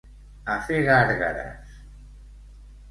A fer gàrgares!